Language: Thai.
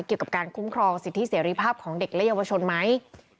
เกี่ยวกับการคุ้มครองสิทธิเสรีภาพของเด็กและเยาวชนไหม